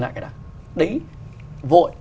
lại cái đó đấy vội